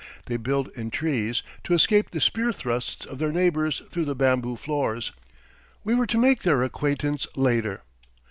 They build in trees, to escape the spear thrusts of their neighbours through the bamboo floors. We were to make their acquaintance later.